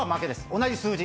同じ数字。